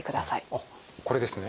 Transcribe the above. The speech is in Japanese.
あっこれですね。